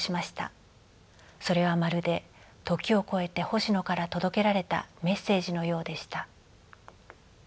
それはまるで時を超えて星野から届けられたメッセージのようでした。